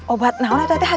obat apa itu tuhan